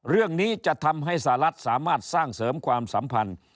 เรื่องนี้จะทำให้สหรัฐสามารถสร้างเสริมความสัมพันธ์